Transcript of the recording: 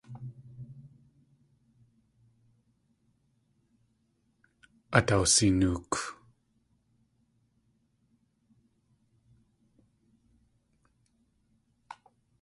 Át awsinook.